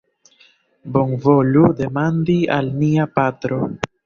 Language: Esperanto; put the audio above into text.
Bonvolu demandi al nia patro